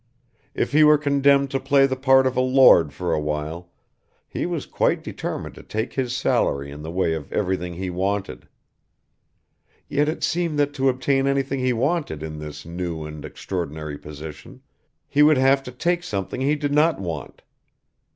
If he were condemned to play the part of a Lord for awhile, he was quite determined to take his salary in the way of everything he wanted. Yet it seemed that to obtain anything he wanted in his new and extraordinary position, he would have to take something he did not want.